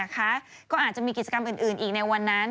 ก็อาจจะมีกิจกรรมอื่นอีกในวันนั้น